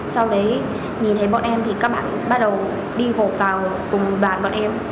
sau đấy nhìn thấy bọn em thì các bạn bắt đầu đi gộp vào cùng bàn bọn em